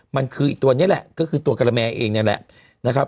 มันคืออีกตัวนี้แหละก็คือตัวการแมร์เองนี่แหละ